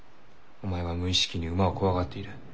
お前は無意識に馬を怖がっている。